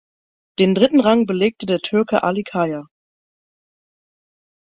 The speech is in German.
Den dritten Rang belegte der Türke Ali Kaya.